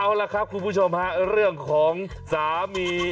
เอาล่ะครับคุณผู้ชมฮะเรื่องของสามี